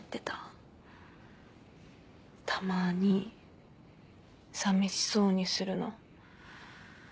たまにさみしそうにするの。